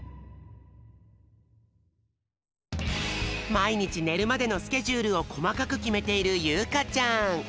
まいにちねるまでのスケジュールをこまかくきめているゆうかちゃん。